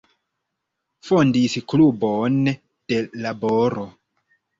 Fondis Klubon de Laboro.